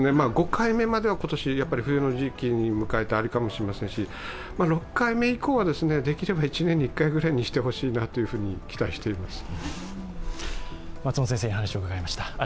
５回目までは今年、冬の時期に向けてあるかもしれませんし、６回目以降は、できれば１年に１回ぐらいにしてほしいなというふうに期待しています。